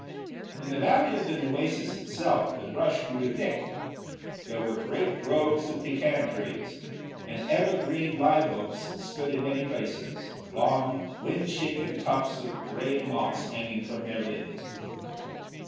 In the valley of the Nueces itself, the brush grew thick. There were great groves of pecan trees, and ever green live oaks stood in many places, long, wind shaken tufts of gray moss hanging from their limbs.